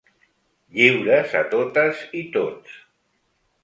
Lliures a totes i tots.